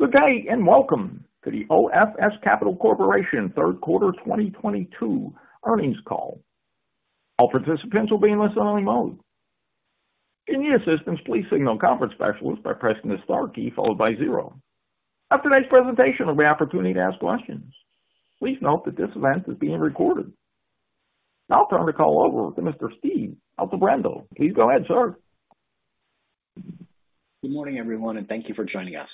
Good day, and welcome to the OFS Capital Corporation third quarter 2022 earnings call. All participants will be in listen only mode. If you need assistance, please signal a conference specialist by pressing the star key followed by zero. After today's presentation there'll be opportunity to ask questions. Please note that this event is being recorded. Now I'll turn the call over to Mr. Steve Altebrando. Please go ahead, sir. Good morning, everyone, and thank you for joining us.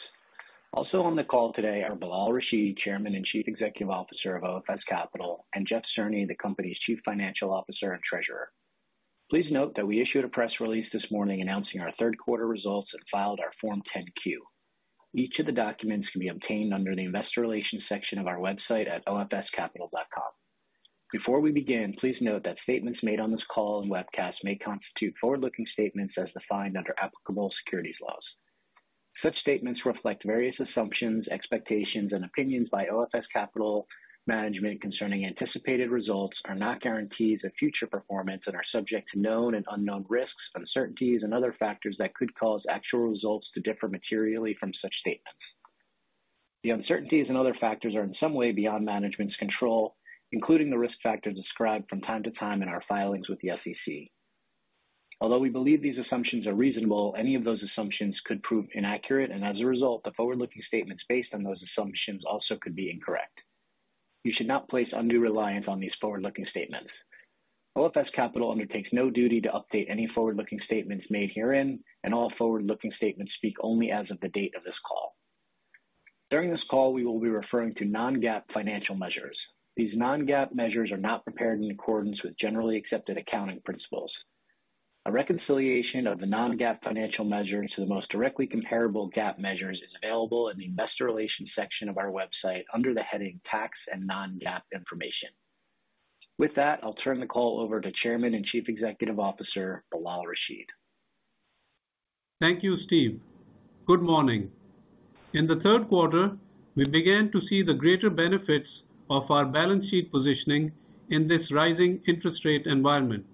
Also on the call today are Bilal Rashid, Chairman and Chief Executive Officer of OFS Capital, and Jeff Cerny, the company's Chief Financial Officer and Treasurer. Please note that we issued a press release this morning announcing our third quarter results and filed our Form 10-Q. Each of the documents can be obtained under the Investor Relations section of our website at ofscapital.com. Before we begin, please note that statements made on this call and webcast may constitute forward-looking statements as defined under applicable securities laws. Such statements reflect various assumptions, expectations, and opinions by OFS Capital Management concerning anticipated results, are not guarantees of future performance, and are subject to known and unknown risks, uncertainties, and other factors that could cause actual results to differ materially from such statements. The uncertainties and other factors are in some way beyond management's control, including the risk factors described from time to time in our filings with the SEC. Although we believe these assumptions are reasonable, any of those assumptions could prove inaccurate, and as a result, the forward-looking statements based on those assumptions also could be incorrect. You should not place undue reliance on these forward-looking statements. OFS Capital undertakes no duty to update any forward-looking statements made herein, and all forward-looking statements speak only as of the date of this call. During this call, we will be referring to non-GAAP financial measures. These non-GAAP measures are not prepared in accordance with generally accepted accounting principles. A reconciliation of the non-GAAP financial measure into the most directly comparable GAAP measures is available in the Investor Relations section of our website under the heading Tax & non-GAAP Information. With that, I'll turn the call over to Chairman and Chief Executive Officer, Bilal Rashid. Thank you, Steve. Good morning. In the third quarter, we began to see the greater benefits of our balance sheet positioning in this rising interest rate environment.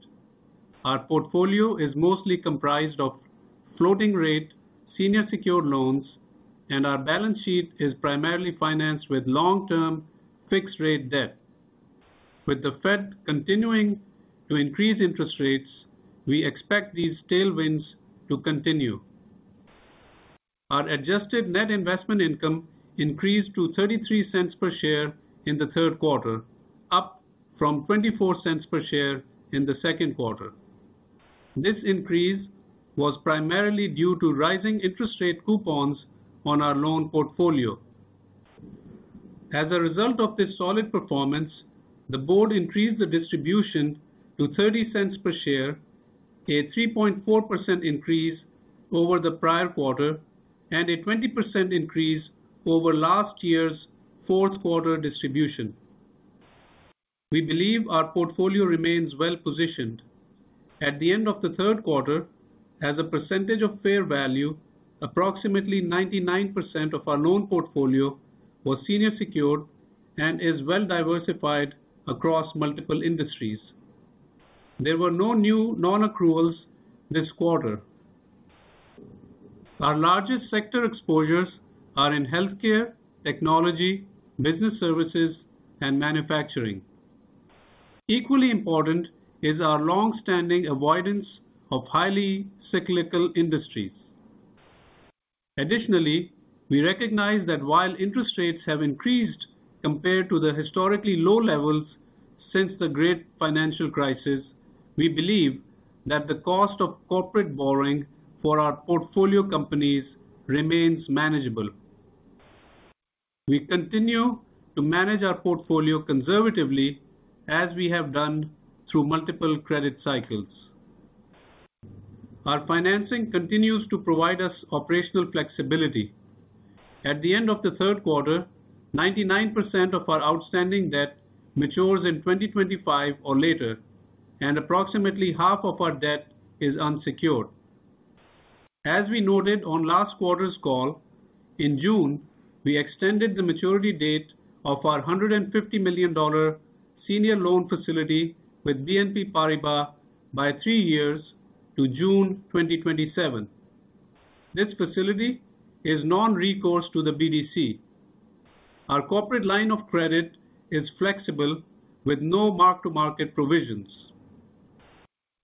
Our portfolio is mostly comprised of floating rate senior secured loans, and our balance sheet is primarily financed with long-term fixed rate debt. With the Fed continuing to increase interest rates, we expect these tailwinds to continue. Our Adjusted Net Investment Income increased to $0.33 per share in the third quarter, up from $0.24 per share in the second quarter. This increase was primarily due to rising interest rate coupons on our loan portfolio. As a result of this solid performance, the board increased the distribution to $0.30 per share, a 3.4% increase over the prior quarter and a 20% increase over last year's fourth quarter distribution. We believe our portfolio remains well-positioned. At the end of the third quarter, as a percentage of fair value, approximately 99% of our loan portfolio was senior secured and is well diversified across multiple industries. There were no new non-accruals this quarter. Our largest sector exposures are in healthcare, technology, business services, and manufacturing. Equally important is our long-standing avoidance of highly cyclical industries. Additionally, we recognize that while interest rates have increased compared to the historically low levels since the great financial crisis, we believe that the cost of corporate borrowing for our portfolio companies remains manageable. We continue to manage our portfolio conservatively as we have done through multiple credit cycles. Our financing continues to provide us operational flexibility. At the end of the third quarter, 99% of our outstanding debt matures in 2025 or later, and approximately half of our debt is unsecured. As we noted on last quarter's call, in June, we extended the maturity date of our $150 million senior loan facility with BNP Paribas by three years to June 2027. This facility is non-recourse to the BDC. Our corporate line of credit is flexible with no mark-to-market provisions.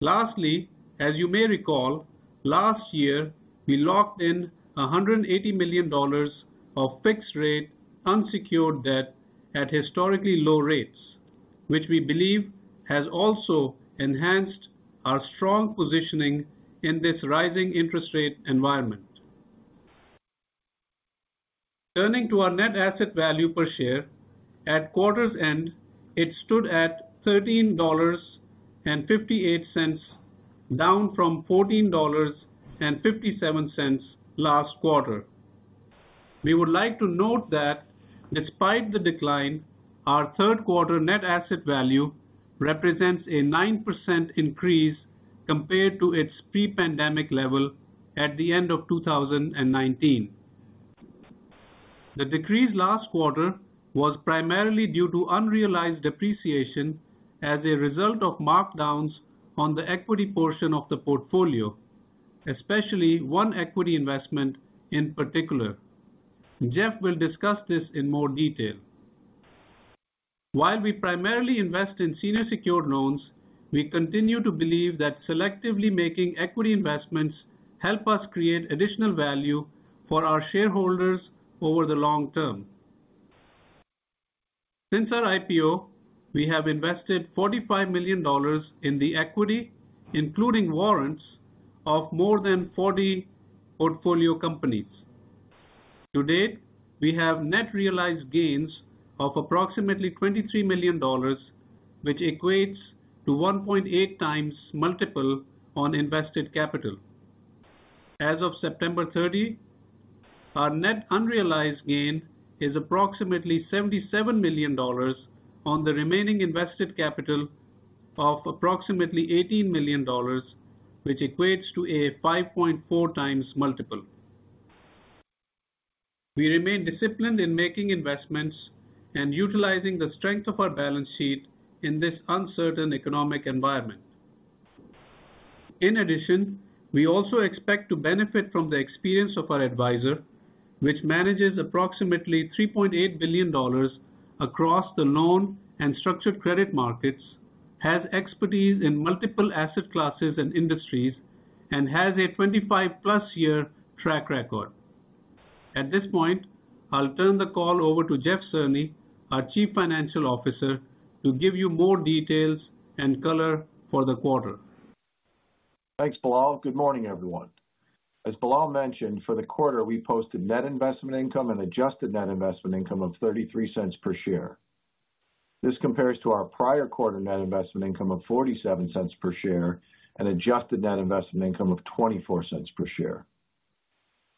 Lastly, as you may recall, last year, we locked in $180 million of fixed rate unsecured debt at historically low rates, which we believe has also enhanced our strong positioning in this rising interest rate environment. Turning to our net asset value per share. At quarter's end, it stood at $13.58, down from $14.57 last quarter. We would like to note that despite the decline, our third quarter net asset value represents a 9% increase compared to its pre-pandemic level at the end of 2019. The decrease last quarter was primarily due to unrealized depreciation as a result of markdowns on the equity portion of the portfolio, especially one equity investment in particular. Jeff will discuss this in more detail. While we primarily invest in senior secured loans, we continue to believe that selectively making equity investments help us create additional value for our shareholders over the long term. Since our IPO, we have invested $45 million in the equity, including warrants of more than 40 portfolio companies. To date, we have net realized gains of approximately $23 million, which equates to 1.8x multiple on invested capital. As of September 30, our net unrealized gain is approximately $77 million on the remaining invested capital of approximately $18 million, which equates to a 5.4x multiple. We remain disciplined in making investments and utilizing the strength of our balance sheet in this uncertain economic environment. In addition, we also expect to benefit from the experience of our advisor, which manages approximately $3.8 billion across the loan and structured credit markets, has expertise in multiple asset classes and industries, and has a 25+ year track record. At this point, I'll turn the call over to Jeff Cerny, our Chief Financial Officer, to give you more details and color for the quarter. Thanks, Bilal. Good morning, everyone. As Bilal mentioned, for the quarter, we posted net investment income and adjusted net investment income of $0.33 per share. This compares to our prior quarter net investment income of $0.47 per share and adjusted net investment income of $0.24 per share.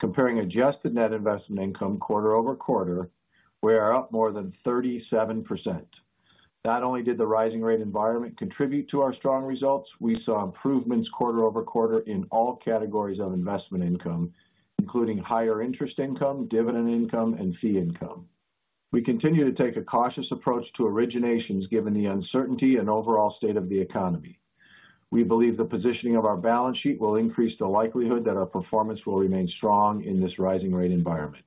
Comparing adjusted net investment income quarter-over-quarter, we are up more than 37%. Not only did the rising rate environment contribute to our strong results, we saw improvements quarter-over-quarter in all categories of investment income, including higher interest income, dividend income, and fee income. We continue to take a cautious approach to originations, given the uncertainty and overall state of the economy. We believe the positioning of our balance sheet will increase the likelihood that our performance will remain strong in this rising rate environment.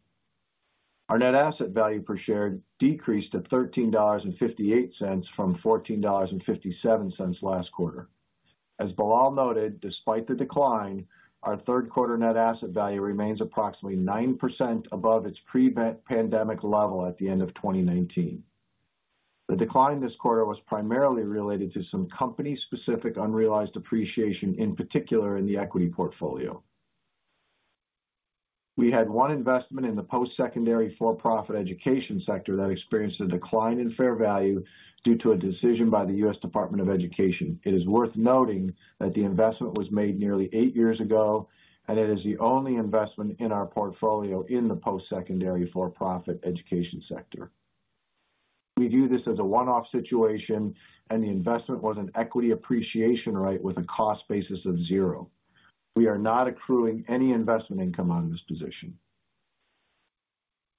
Our net asset value per share decreased to $13.58 from $14.57 last quarter. As Bilal noted, despite the decline, our third quarter net asset value remains approximately 9% above its pre-pandemic level at the end of 2019. The decline this quarter was primarily related to some company-specific unrealized depreciation, in particular in the equity portfolio. We had one investment in the post-secondary for-profit education sector that experienced a decline in fair value due to a decision by the U.S. Department of Education. It is worth noting that the investment was made nearly eight years ago, and it is the only investment in our portfolio in the post-secondary for-profit education sector. We view this as a one-off situation, and the investment was an equity appreciation right with a cost basis of zero. We are not accruing any investment income on this position.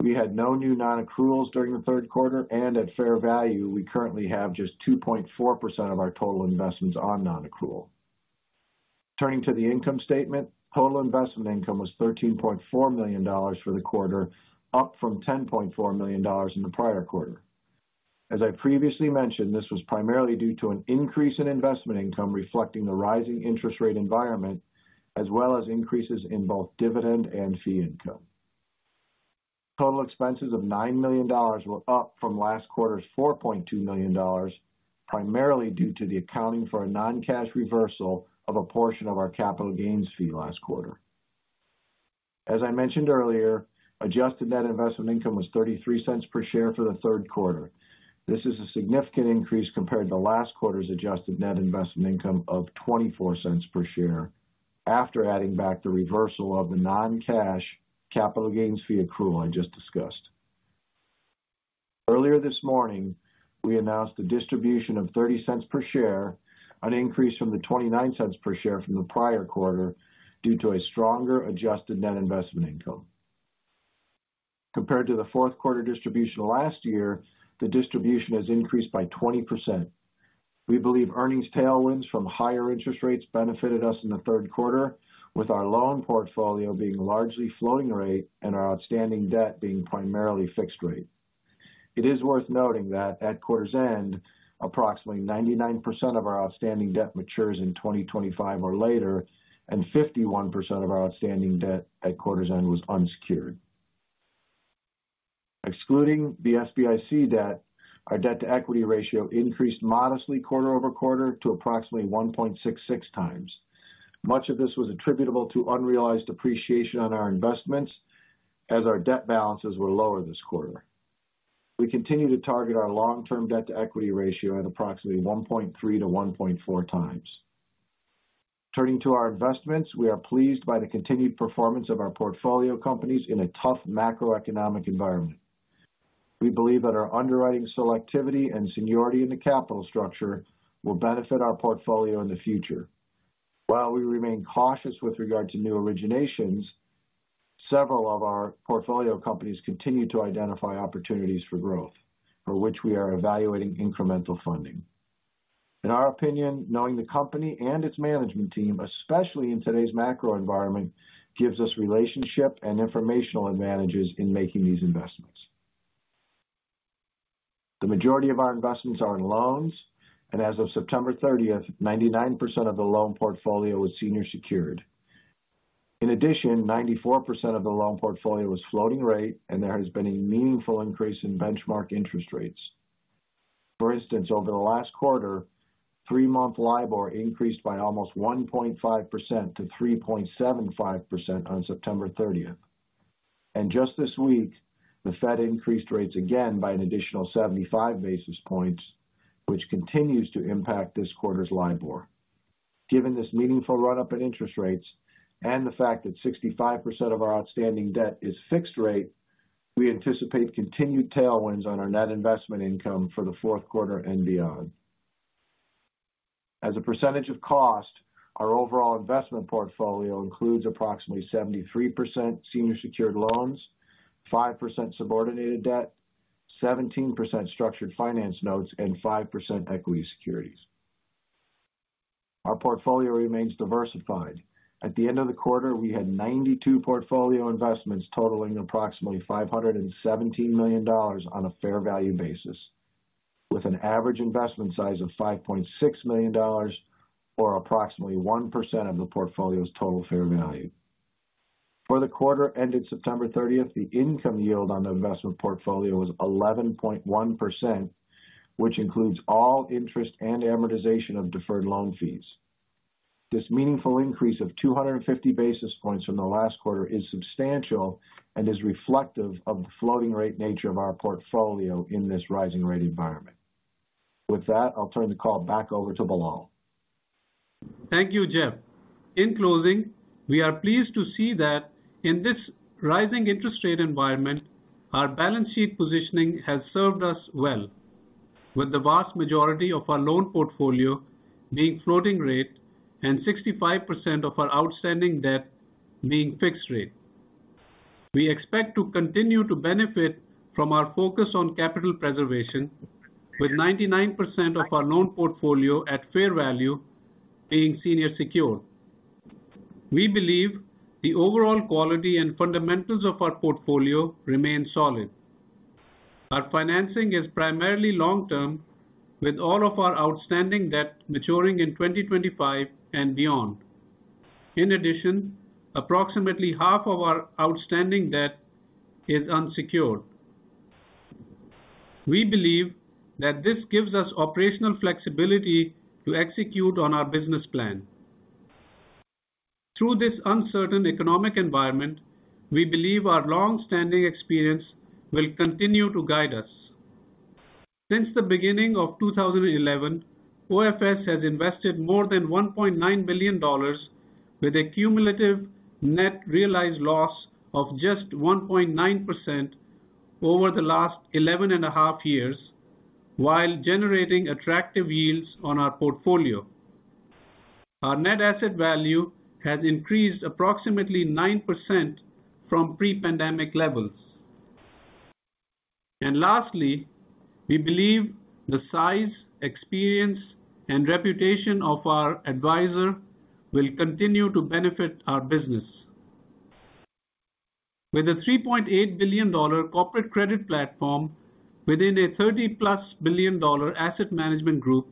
We had no new non-accruals during the third quarter, and at fair value, we currently have just 2.4% of our total investments on non-accrual. Turning to the income statement. Total investment income was $13.4 million for the quarter, up from $10.4 million in the prior quarter. As I previously mentioned, this was primarily due to an increase in investment income reflecting the rising interest rate environment as well as increases in both dividend and fee income. Total expenses of $9 million were up from last quarter's $4.2 million, primarily due to the accounting for a non-cash reversal of a portion of our capital gains fee last quarter. As I mentioned earlier, Adjusted Net Investment Income was $0.33 per share for the third quarter. This is a significant increase compared to last quarter's Adjusted Net Investment Income of $0.24 per share after adding back the reversal of the non-cash capital gains fee accrual I just discussed. Earlier this morning, we announced a distribution of $0.30 per share, an increase from the $0.29 per share from the prior quarter due to a stronger Adjusted Net Investment Income. Compared to the fourth quarter distribution last year, the distribution has increased by 20%. We believe earnings tailwinds from higher interest rates benefited us in the third quarter, with our loan portfolio being largely floating rate and our outstanding debt being primarily fixed rate. It is worth noting that at quarter's end, approximately 99% of our outstanding debt matures in 2025 or later, and 51% of our outstanding debt at quarter's end was unsecured. Excluding the SBIC debt, our debt-to-equity ratio increased modestly quarter-over-quarter to approximately 1.66x. Much of this was attributable to unrealized appreciation on our investments as our debt balances were lower this quarter. We continue to target our long-term debt-to-equity ratio at approximately 1.3-1.4x. Turning to our investments. We are pleased by the continued performance of our portfolio companies in a tough macroeconomic environment. We believe that our underwriting selectivity and seniority in the capital structure will benefit our portfolio in the future. While we remain cautious with regard to new originations, several of our portfolio companies continue to identify opportunities for growth, for which we are evaluating incremental funding. In our opinion, knowing the company and its management team, especially in today's macro environment, gives us relationship and informational advantages in making these investments. The majority of our investments are in loans, and as of September 30th, 99% of the loan portfolio was senior secured. In addition, 94% of the loan portfolio was floating rate, and there has been a meaningful increase in benchmark interest rates. For instance, over the last quarter, three-month LIBOR increased by almost 1.5% to 3.75% on September 30th. Just this week, the Fed increased rates again by an additional 75 basis points, which continues to impact this quarter's LIBOR. Given this meaningful run-up in interest rates and the fact that 65% of our outstanding debt is fixed rate, we anticipate continued tailwinds on our net investment income for the fourth quarter and beyond. As a percentage of cost, our overall investment portfolio includes approximately 73% senior secured loans, 5% subordinated debt, 17% structured finance notes, and 5% equity securities. Our portfolio remains diversified. At the end of the quarter, we had 92 portfolio investments totaling approximately $517 million on a fair value basis, with an average investment size of $5.6 million or approximately 1% of the portfolio's total fair value. For the quarter ended September thirtieth, the income yield on the investment portfolio was 11.1%, which includes all interest and amortization of deferred loan fees. This meaningful increase of 250 basis points from the last quarter is substantial and is reflective of the floating rate nature of our portfolio in this rising rate environment. With that, I'll turn the call back over to Bilal. Thank you, Jeff. In closing, we are pleased to see that in this rising interest rate environment, our balance sheet positioning has served us well, with the vast majority of our loan portfolio being floating rate and 65% of our outstanding debt being fixed rate. We expect to continue to benefit from our focus on capital preservation with 99% of our loan portfolio at fair value being senior secured. We believe the overall quality and fundamentals of our portfolio remain solid. Our financing is primarily long-term, with all of our outstanding debt maturing in 2025 and beyond. In addition, approximately half of our outstanding debt is unsecured. We believe that this gives us operational flexibility to execute on our business plan. Through this uncertain economic environment, we believe our long-standing experience will continue to guide us. Since the beginning of 2011, OFS has invested more than $1.9 billion with a cumulative net realized loss of just 1.9% over the last 11.5 years, while generating attractive yields on our portfolio. Our net asset value has increased approximately 9% from pre-pandemic levels. Lastly, we believe the size, experience, and reputation of our advisor will continue to benefit our business. With a $3.8 billion corporate credit platform within a $30+ billion asset management group,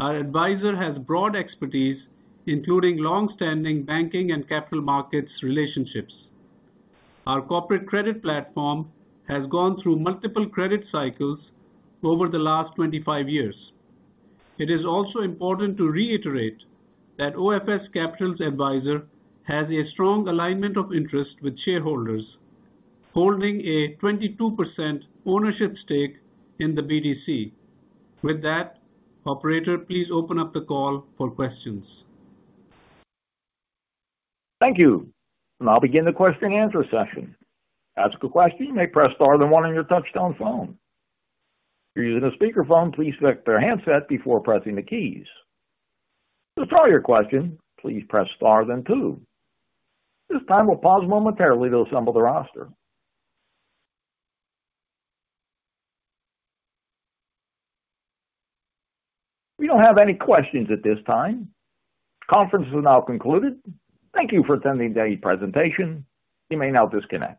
our advisor has broad expertise, including long-standing banking and capital markets relationships. Our corporate credit platform has gone through multiple credit cycles over the last 25 years. It is also important to reiterate that OFS Capital's advisor has a strong alignment of interest with shareholders, holding a 22% ownership stake in the BDC. With that, operator, please open up the call for questions. Thank you. Now I'll begin the question and answer session. To ask a question, you may press star then one on your touchtone phone. If you're using a speakerphone, please select their handset before pressing the keys. To withdraw your question, please press star then two. At this time, we'll pause momentarily to assemble the roster. We don't have any questions at this time. Conference is now concluded. Thank you for attending today's presentation. You may now disconnect.